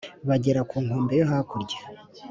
Bagera ku nkombe yo hakurya